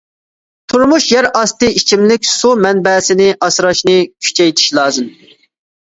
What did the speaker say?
تۇرمۇش يەر ئاستى ئىچىملىك سۇ مەنبەسىنى ئاسراشنى كۈچەيتىش لازىم.